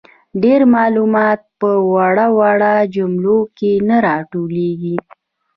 ډیر معلومات په وړو وړو جملو کي نه راټولیږي.